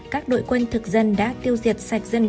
các đội quân thực dân đã tiêu diệt sạch dân